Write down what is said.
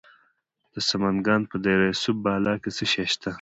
د سمنګان په دره صوف بالا کې څه شی شته؟